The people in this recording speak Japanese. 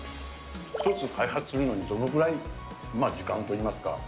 １つ開発するのにどのくらい、時間といいますか。